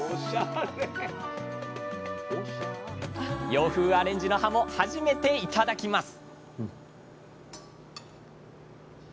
洋風アレンジのはも初めて頂きます！